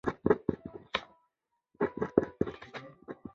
因此战后全台三十多营乡勇仅林朝栋与张李成两营未被裁撤。